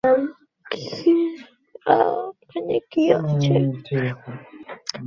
এই অনুষ্ঠানের পুরুষদের প্রত্যেকটি চ্যাম্পিয়নশিপের ম্যাচ আয়োজিত হয়েছে।